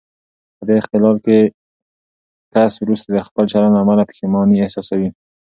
په دې اختلال کې کس وروسته د خپل چلن له امله پښېماني احساسوي.